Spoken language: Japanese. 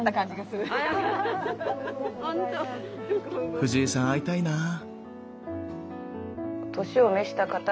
フジヱさん会いたいなあ。